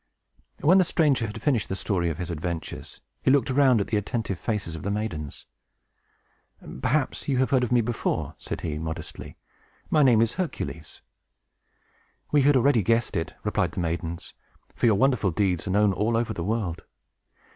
When the stranger had finished the story of his adventures, he looked around at the attentive faces of the maidens. "Perhaps you may have heard of me before," said he, modestly. "My name is Hercules!" "We had already guessed it," replied the maidens; "for your wonderful deeds are known all over the world.